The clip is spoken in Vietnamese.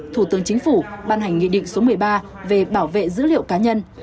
thủ tướng chính phủ ban hành nghị định số một mươi ba về bảo vệ dữ liệu cá nhân